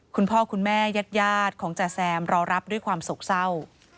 คุณพ่อคุณแม่ญาติของจ๋าแซมรอรับด้วยความโศกเศร้า